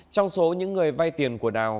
trong số những người vay tiền của đào